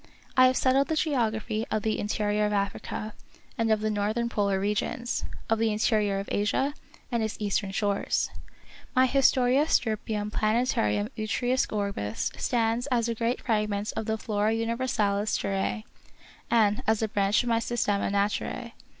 I have settled the geography of the interior of Africa, and of the northern polar regions ; of the interior of Asia, and its eastern shores. My Historia Stirpium Plan tarum U triusque Orbis stands as a grand frag ment of the Flora Universalis Terrae, and as a branch of my Systema Naturae.